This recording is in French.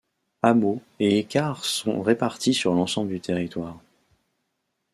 Hameaux et écarts sont répartis sur l'ensemble du territoire.